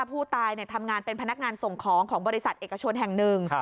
ผู้ตายทำงานเป็นพนักงานส่งของของบริษัทเอกชนแห่งหนึ่ง